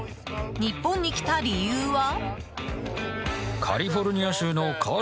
日本に来た理由は？